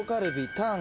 タン。